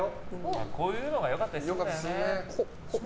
こういうのがよかったりするんだよね。